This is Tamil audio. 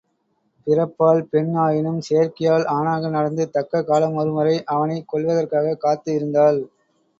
பிறப்பால் பெண் ஆயினும் செய்கையால் ஆணாக நடந்து தக்க காலம் வரும் வரை அவனைக் கொல்வதற்காகக் காத்து இருந்தாள்.